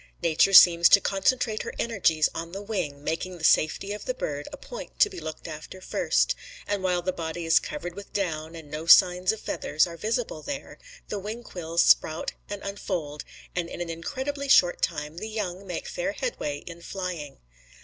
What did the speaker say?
Nature seems to concentrate her energies on the wing, making the safety of the bird a point to be looked after first; and while the body is covered with down, and no signs of feathers are visible there, the wing quills sprout and unfold, and in an incredibly short time the young make fair headway in flying.